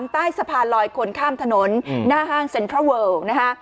ใต้สะพานลอยคนข้ามถนนหน้าห้างเซ็นทรัลเวิลนะฮะ